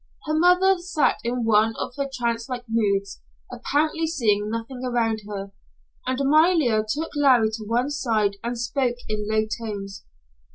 Her mother sat in one of her trancelike moods, apparently seeing nothing around her, and Amalia took Larry to one side and spoke in low tones.